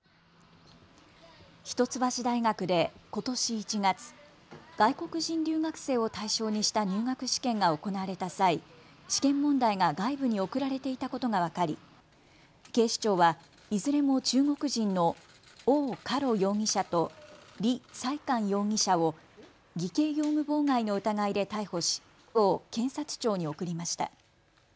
一橋大学でことし１月、外国人留学生を対象にした入学試験が行われた際、試験問題が外部に送られていたことが分かり警視庁はいずれも中国人の王嘉ろ容疑者と李さい寒容疑者を偽計業務妨害の疑いで逮捕しきょう検察庁に送りました。